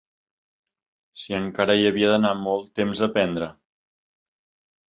...si encara hi havia d'anar molt temps a aprendre